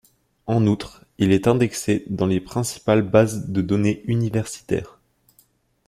En outre, il est indexé dans les principales bases de données universitaires.